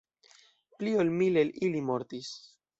Pli ol mil el ili mortis.